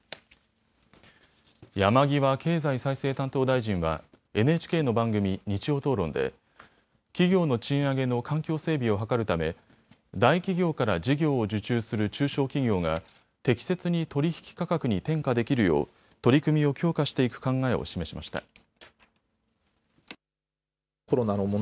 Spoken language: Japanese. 山際経済再生担当大臣はＮＨＫの番組、日曜討論で企業の賃上げの環境整備を図るため大企業から事業を受注する中小企業が適切に取引価格に転嫁できるよう取り組みを強化していく考えを示しました。